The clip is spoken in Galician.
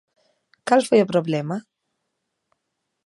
¿Cal foi o problema?